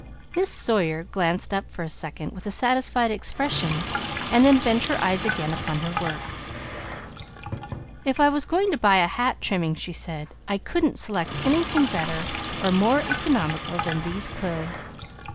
Miss Sawyer glanced up for a second with a satisfied expression and then bent her eyes again upon her work. "If I was going to buy a hat trimming," she said, "I couldn't select anything better or more economical than these quills!